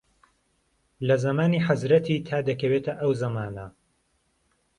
لە زەمانی حەزرەتی تا دەکەوێتە ئەو زەمانە